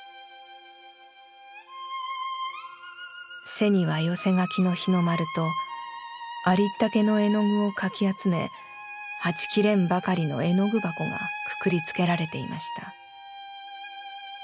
「背には寄せ書きの日の丸とありったけの絵の具をかき集めはちきれんばかりの絵の具箱がくくりつけられていました。